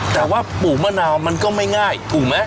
แต่ว่าปลูกมะนาวมันก็ไม่ง่ายถูกไหม